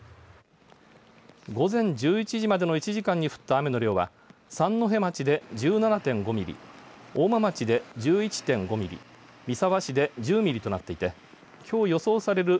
午前１１時までの１時間に降った雨の量は三戸町で１７．５ミリ、大間町で１１．５ミリ、三沢市で１０ミリとなっていてきょう予想される